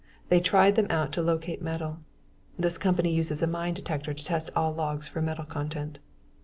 They tried them out to locate metal. This company uses this mine detector to test all logs for metal content.